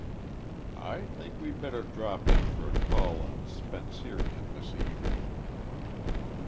I think we better drop in for a call on 'Spencerian' this evening."